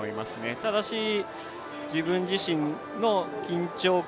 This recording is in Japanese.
ただし、自分自身の緊張感